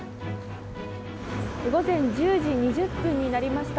午前１０時２０分になりました。